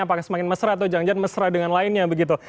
apakah semakin mesra atau jangan jangan mesra dengan lainnya begitu